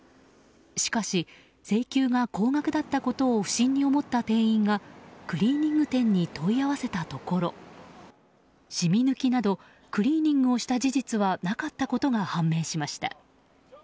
しかし請求が高額だったことを不審に思った店員がクリーニング店に問い合わせたところ染み抜きなどクリーニングをした事実はなかったことが判明しました。